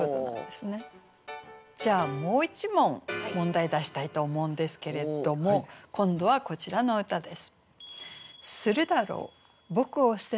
じゃあもう一問問題出したいと思うんですけれども今度はこちらの歌です。